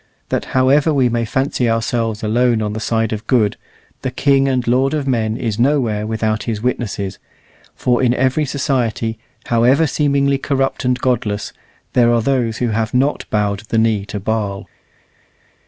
that however we may fancy ourselves alone on the side of good, the King and Lord of men is nowhere without His witnesses; for in every society, however seemingly corrupt and godless, there are those who have not bowed the knee to Baal.